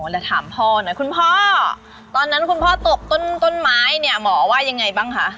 แล้วถามพ่อหน่อยคุณพ่อตอนนั้นคุณพ่อตกต้นไม้เนี่ยหมอว่ายังไงบ้างคะ